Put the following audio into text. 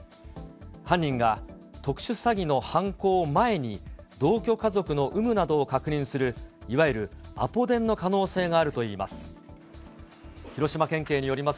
犯人が特殊詐欺の犯行前に、同居家族の有無などを確認する、いわゆるアポ電の可能性があるといいます。